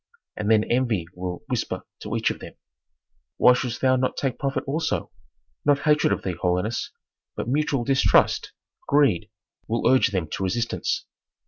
And then envy will whisper to each of them: 'Why shouldst thou not profit also?' Not hatred of thee, holiness, but mutual distrust, greed, will urge them to resistance."